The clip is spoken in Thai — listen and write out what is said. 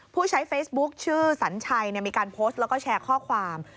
ผู้ใช้เฟซบุ๊คชื่อสัญชัยมีการโพสต์แล้วก็แชร์ข้อความ